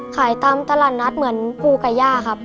ขายตามตลาดนัดเหมือนภูไก่ย่าครับ